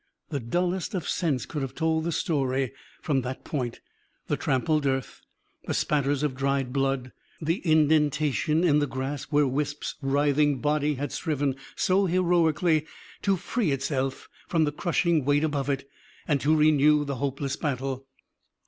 The dullest of scents could have told the story from that point: the trampled earth, the spatters of dried blood, the indentation in the grass, where Wisp's writhing body had striven so heroically to free itself from the crushing weight above it and to renew the hopeless battle.